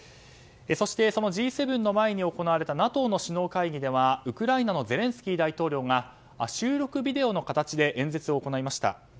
そして、Ｇ７の前に行われたＮＡＴＯの首脳会議ではウクライナのゼレンスキー大統領が収録ビデオの形で演説を行いました。